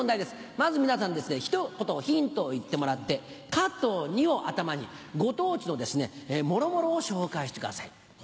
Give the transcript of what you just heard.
まず皆さんひと言ヒントを言ってもらって「カ」と「ニ」を頭にご当地のもろもろを紹介してください。